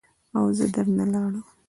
او زه در نه لاړم.